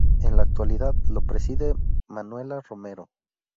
En la actualidad, lo preside Manuela Romero.